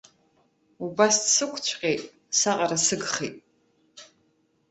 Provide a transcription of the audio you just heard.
Убас дсықәыцәҟьеит, саҟара сыгхеит.